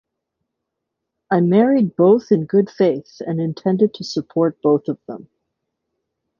I married both in good faith and intended to support both of them.